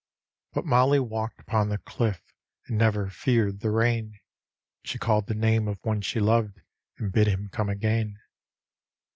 But Mollie walked upon the cliff, and never feared the rain; She called the name of one she loved and bid him come again.